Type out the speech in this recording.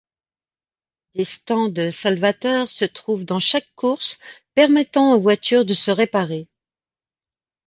Des stands salvateurs se trouvent dans chaque course permettant aux voitures de se réparer.